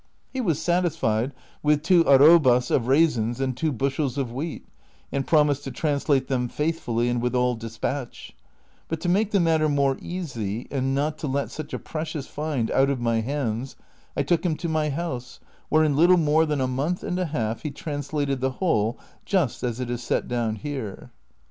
He was satished with two arrobas of raisins and two bushels of wheat, and promised to translate thein faithfully and with all despatch ; but to nuike the matter more easy, and not to let such a precious find out of my hands, I took him to my house, where in little more than a month and a half he trans lated the whole just as it is set down here.